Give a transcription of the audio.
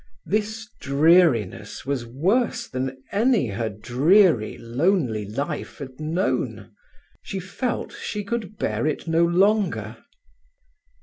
This dreariness was worse than any her dreary, lonely life had known. She felt she could bear it no longer.